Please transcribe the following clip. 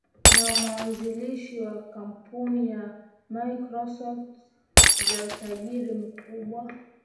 na mwanzilishi wa kampuni ya microsoft na tajiri mkubwa